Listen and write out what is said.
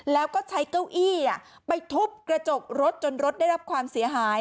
แล้วก็ใช้เก้าอี้ไปทุบกระจกรถจนรถได้รับความเสียหาย